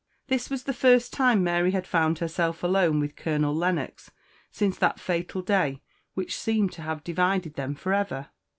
This was the first time Mary had found herself alone with Colonel Lennox since that fatal day which seemed to have divided them for ever.